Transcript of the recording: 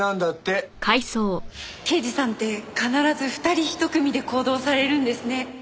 刑事さんって必ず二人一組で行動されるんですね。